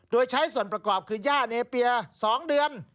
โดยใช้ส่วนประกอบคือย่าเนเปีย๒เดือน